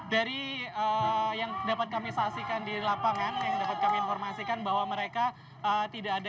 dari yang dapat kami saksikan di lapangan yang dapat kami informasikan bahwa mereka tidak ada